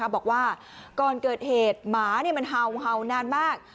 บอกว่าก่อนเกิดเหตุหมามันเห่านานมาก